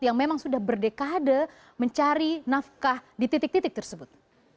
yang memang sudah berdekade mencari nafkah di titik titik tersebut